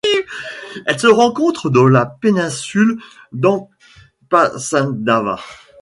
Elle se rencontre dans la péninsule d'Ampasindava.